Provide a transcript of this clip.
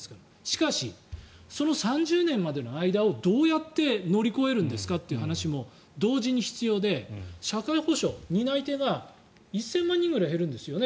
しかしその３０年までの間をどうやって乗り越えるんですかという話も同時に必要で社会保障、担い手が１０００万人ぐらい減るんですよね